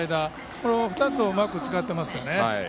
この２つをうまく使っていますね。